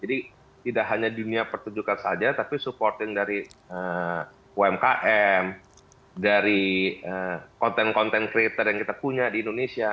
jadi tidak hanya dunia pertunjukan saja tapi support in dari umkm dari konten konten kreator yang kita punya di indonesia